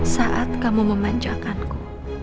saat kamu memanjakanku